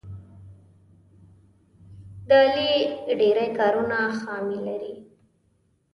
د علي ډېری کارونه خامي لري.